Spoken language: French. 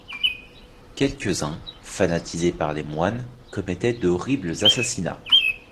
Quelques-uns, fanatisés par les moines, commettaient d'horribles assassinats.